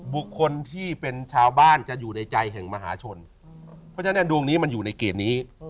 บุคคลที่เป็นชาวบ้านจะอยู่ในใจแห่งมหาชนเพราะฉะนั้นดวงนี้มันอยู่ในเกณฑ์นี้